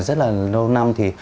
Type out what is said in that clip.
rất là lâu năm thì